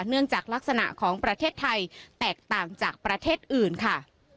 เนื่องจากลักษณะของประเทศไทยแตกต่างจากประเทศอื่นค่ะ